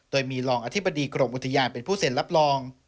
โดยมีรองอธิบดีกรมอุทยานเป็นผู้เซ็นรับรอง